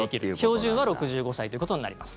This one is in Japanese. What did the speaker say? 標準は６５歳ということになります。